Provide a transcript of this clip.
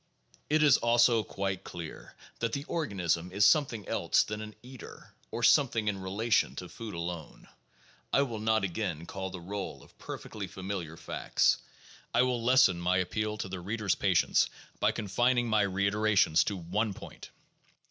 It is also quite clear that the organism is something else than an eater, or something in relation to food alone. I will not again call the roll of perfectly familiar facts; I will lessen my appeal to the 552 THE JOURNAL OF PHILOSOPHY reader's patience by confining my reiteration to one point.